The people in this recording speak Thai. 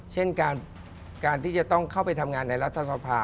เช่นการที่จะต้องเข้าไปทำงานในรัฐสภา